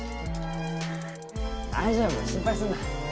大丈夫心配すんな。